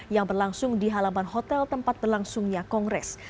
yang berlangsung di halaman hotel tempat berlangsungnya kongres